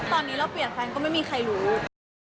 ตอนนี้เราเปลี่ยนแฟนก็ไม่มีใครรู้